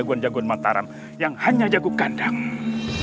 aku yakin mereka tidak akan mengganggu ku lagi